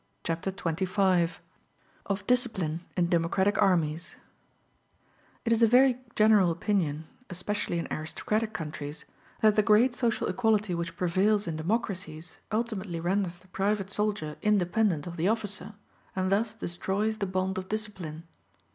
Chapter XXV: Of Discipline In Democratic Armies It is a very general opinion, especially in aristocratic countries, that the great social equality which prevails in democracies ultimately renders the private soldier independent of the officer, and thus destroys the bond of discipline.